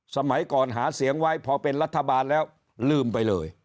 สมัยก่อนหาเสียงไว้พอเป็นรัฐบาลแล้วลืมไปเลย